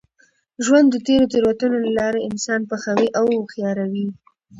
ژوند د تېرو تېروتنو له لاري انسان پخوي او هوښیاروي.